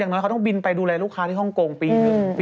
ยังไม่เคยไปแต่รู้ว่าพี่โทนี่ไป